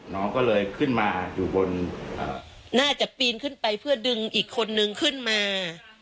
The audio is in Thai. น้องก็เลยขึ้นมาอยู่บนน่าจะปีนขึ้นไปเพื่อดึงอีกคนนึงขึ้นมา